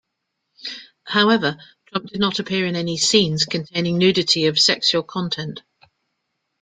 However, Trump did not appear in any scenes containing nudity of sexual content.